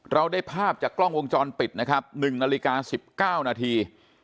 เราได้ภาพจากกล้องวงจรปิดนะครับ๑นาฬิกา๑๙นาที